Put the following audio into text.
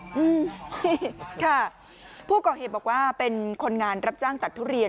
อืมนี่ค่ะผู้ก่อเหตุบอกว่าเป็นคนงานรับจ้างตัดทุเรียน